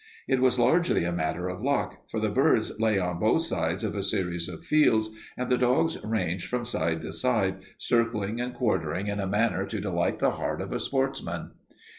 It was largely a matter of luck, for the birds lay on both sides of a series of fields, and the dogs ranged from side to side, circling and quartering in a manner to delight the heart of a sportsman.